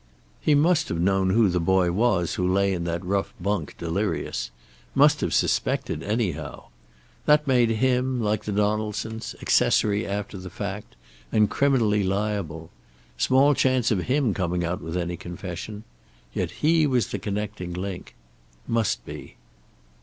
He must have known who the boy was who lay in that rough bunk, delirious. Must have suspected anyhow. That made him, like the Donaldsons, accessory after the fact, and criminally liable. Small chance of him coming out with any confession. Yet he was the connecting link. Must be.